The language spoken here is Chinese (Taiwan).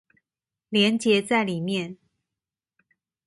連結在裡面